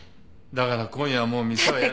だから今夜はもう店はやらない。